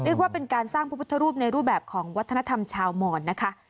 เรียกว่าเป็นการสร้างพระพุทธรูปในรูปแบบของวัฒนธรรมชาวหมอนนะคะ